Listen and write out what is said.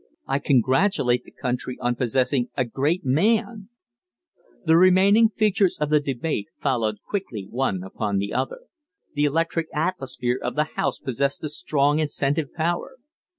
I congratulate the country on possessing a great man!" The remaining features of the debate followed quickly one upon the other; the electric atmosphere of the House possessed a strong incentive power.